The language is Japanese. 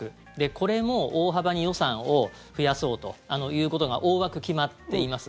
これも大幅に予算を増やそうということが大枠、決まっています。